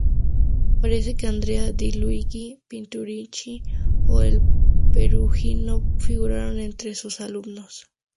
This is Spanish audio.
Parece que Andrea di Luigi, Pinturicchio y el Perugino figuraron entre sus alumnos.